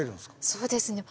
そうですね